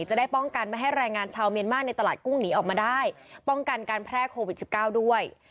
จะได้ป้องกันไม่ให้รายงานชาวเมียนมาลเมียนมาลในตลาดกุ้งหนีออกมาได้ป้องกันการแพร่ควินทรีย์สิบเกิ้ลด้วย